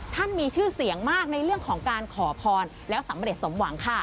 มีชื่อเสียงมากในเรื่องของการขอพรแล้วสำเร็จสมหวังค่ะ